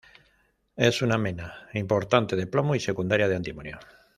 Es una mena importante de plomo y secundaria de antimonio.